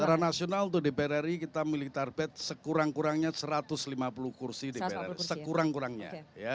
secara nasional tuh di dpr ri kita miliki tarpet sekurang kurangnya satu ratus lima puluh kursi di dpr ri sekurang kurangnya